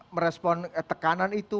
merespon tekanan itu